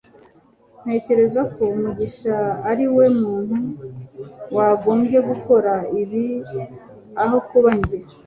ntekereza ko mugisha ariwe muntu wagombye gukora ibi aho kuba njye